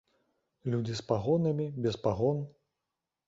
Людзі з пагонамі, без пагон.